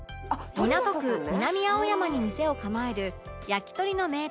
港区南青山に店を構える焼き鳥の名店鳥政